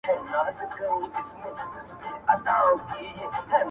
له دې نه مخكي چي ته ما پرېږدې.